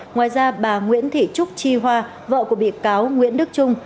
ngoài ra bà nguyễn thị trúc chi hoa vợ của bị cáo nguyễn đức trung